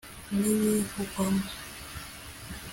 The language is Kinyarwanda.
n’ibivugwamo.